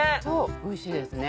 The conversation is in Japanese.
おいしいですね。